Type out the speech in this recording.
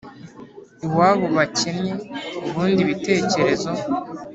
iwabo bakenye, ubundi ibitekerezo